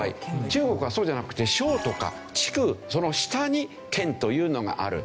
中国はそうじゃなくて省とか地区その下に県というのがある。